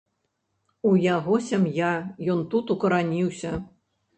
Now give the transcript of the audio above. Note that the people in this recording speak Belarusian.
У яго сям'я, ён тут укараніўся.